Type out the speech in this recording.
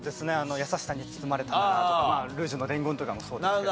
『やさしさに包まれたなら』とか『ルージュの伝言』とかもそうですけど。